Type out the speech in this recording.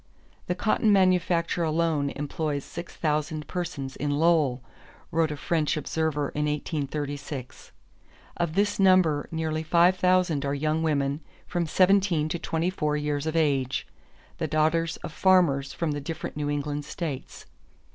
"The cotton manufacture alone employs six thousand persons in Lowell," wrote a French observer in 1836; "of this number nearly five thousand are young women from seventeen to twenty four years of age, the daughters of farmers from the different New England states."